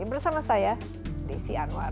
bersama saya desi anwar